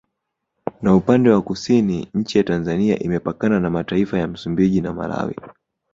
Na upande wa Kusini nchi ya Tanzania imepkana na mataifa ya Msumbiji na Malawi